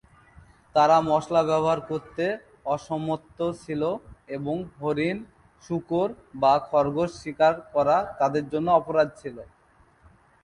তারা মশলা ব্যবহার করতে অসমর্থ ছিল এবং হরিণ, শূকর বা খরগোশ শিকার করা তাদের জন্য অপরাধ ছিল।